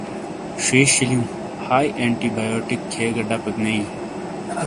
ݜیݜ شیلیوں ہائی اینٹی بایوٹیک کھیے گہ ڈَپیک نے بِیں۔